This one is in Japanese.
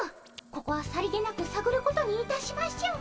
ここはさりげなくさぐることにいたしましょう。